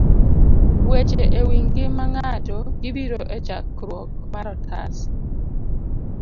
Weche e Wi Ngima Ng'ato gibiro e chakruok mar otas